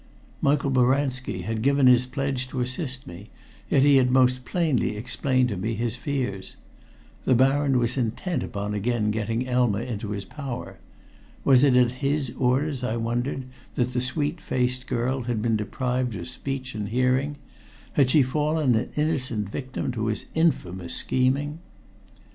Michael Boranski had given his pledge to assist me, yet he had most plainly explained to me his fears. The Baron was intent upon again getting Elma into his power. Was it at his orders, I wondered, that the sweet faced girl had been deprived of speech and hearing? Had she fallen an innocent victim to his infamous scheming?